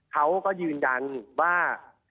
เขาก็ยืนยันว่า